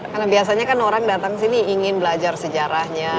karena biasanya kan orang datang sini ingin belajar sejarahnya